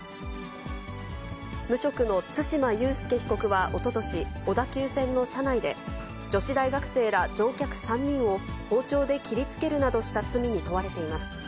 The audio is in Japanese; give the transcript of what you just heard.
無職の対馬悠介被告はおととし、小田急線の車内で、女子大学生ら乗客３人を包丁で切りつけるなどした罪に問われています。